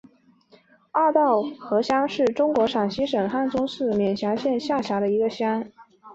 二道河乡是中国陕西省汉中市勉县下辖的一个乡。